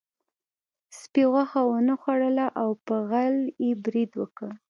سپي غوښه ونه خوړله او په غل یې برید وکړ.